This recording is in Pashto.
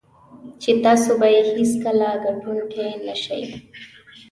چې تاسو به یې هېڅکله ګټونکی نه شئ.